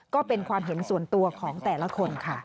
ก็เป็นความเห็นส่วนตัวของแต่ละคนค่ะ